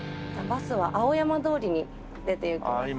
バスは青山通りに出ていきます。